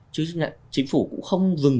chứ chính phủ cũng không dừng